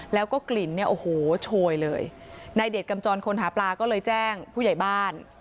แล้วก็กลิ่นเนี่ยโอ้โหโชยเลยนายเดชกำจรคนหาปลาก็เลยแจ้งผู้ใหญ่บ้าน